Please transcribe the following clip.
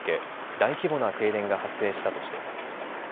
大規模な停電が発生したとしています。